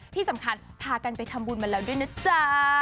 ที่สำคัญพากันไปทำบุญมาแล้วด้วยนะจ๊ะ